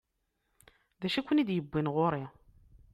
D acu i ken-id-yewwin ɣur-i?